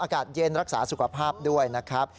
อากาศเย็นรักษาสุขภาพด้วยนะครับ